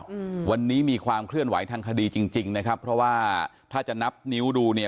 อืมวันนี้มีความเคลื่อนไหวทางคดีจริงจริงนะครับเพราะว่าถ้าจะนับนิ้วดูเนี่ย